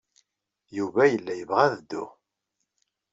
Yuba yella yebɣa ad dduɣ.